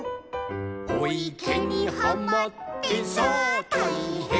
「おいけにはまってさあたいへん」